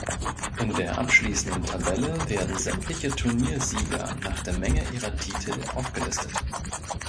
In der abschließenden Tabelle werden sämtliche Turniersieger nach der Menge ihrer Titel aufgelistet.